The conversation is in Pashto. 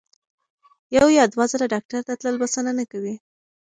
یو یا دوه ځله ډاکټر ته تلل بسنه نه کوي.